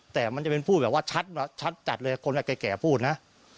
แต่มันจะเป็นพูดแบบว่าชัดจัดเลยคนแก่พูดนะ